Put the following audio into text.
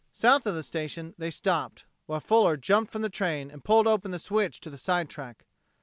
South of the station they stopped, while Fuller jumped from the train and pulled open the switch to the side track.